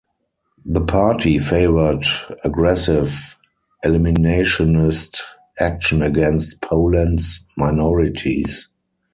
The party favored aggressive eliminationist action against Poland's minorities.